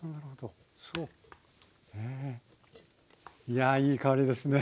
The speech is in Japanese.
いやいい香りですね。